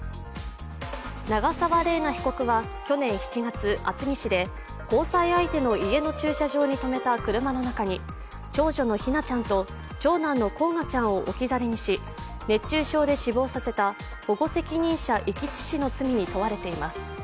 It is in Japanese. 長沢麗奈被告は去年７月厚木市で交際相手の家の駐車場にとめた車の中に長女の姫梛ちゃんと長男の煌翔ちゃんを置き去りにし熱中症で死亡させた保護責任者遺棄致死の罪に問われています。